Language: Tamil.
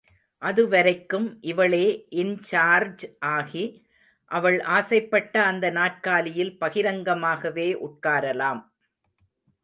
அதுவரைக்கும், இவளே இன்சார்ஜ் ஆகி, அவள் ஆசைப்பட்ட அந்த நாற்காலியில் பகிரங்கமாகவே உட்காரலாம்.